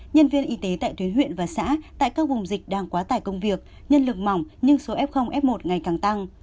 nhân viên y tế tại tuyến huyện và xã tại các vùng dịch đang quá tải công việc nhân lực mỏng nhưng số f f một ngày càng tăng